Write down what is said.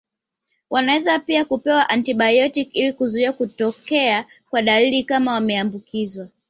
Wanaweza pia kupewa antibayotiki ili kuzuia kutokea kwa dalili kama wameambukizwa